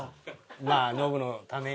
まあノブのために。